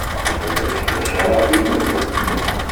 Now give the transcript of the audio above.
Ulac d acu ara d-tiniḍ?